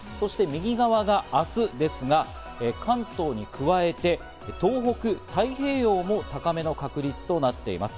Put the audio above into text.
右側が明日ですが、関東に加えて東北、太平洋も高めの確率となっています。